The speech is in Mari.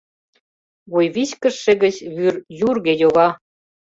Вуйвичкыжше гыч вӱр юрге йога.